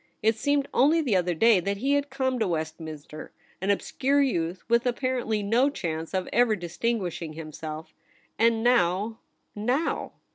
It seemed only the other day that he had come to West minster, an obscure youth, with apparently no chance of ever distinguishing himself. And now — now